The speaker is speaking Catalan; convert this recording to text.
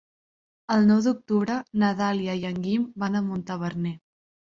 El nou d'octubre na Dàlia i en Guim van a Montaverner.